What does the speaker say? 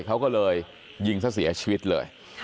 เขาก็เลยยิงซะเสียชีวิตเลย